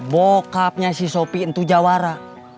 bokapnya si sopi itu jawara